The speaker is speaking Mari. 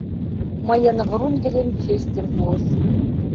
Мыйын Врунгелем честьым пуыш: